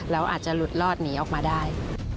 แล้วอาจจะหลุดรอดหนีออกมาได้